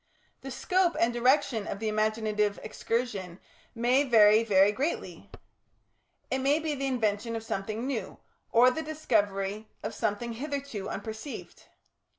The scope and direction of the imaginative excursion may vary very greatly. It may be the invention of something new or the discovery of something hitherto unperceived.